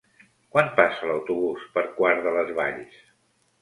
Quan passa l'autobús per Quart de les Valls?